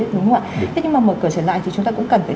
đúng không ạ thế nhưng mà mở cửa trở lại thì chúng ta cũng cần phải